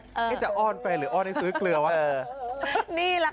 ขายมาตั้งสี่สิบกว่าปีแล้ว